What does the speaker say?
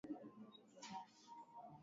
Usilete shida mahala ambapo hautakikani